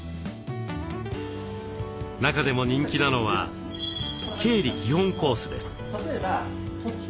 中でも人気なのは「経理基本コース」です。